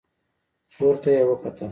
پورته يې وکتل.